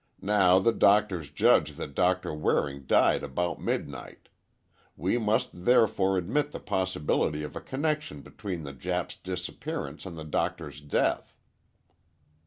Now the doctors judge that Doctor Waring died about midnight. We must therefore admit the possibility of a connection between the Jap's disappearance and the Doctor's death."